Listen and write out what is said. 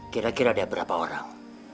kira kira ada berapa orang